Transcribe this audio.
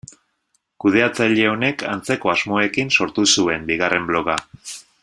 Kudeatzaile honek antzeko asmoekin sortu zuen bigarren bloga.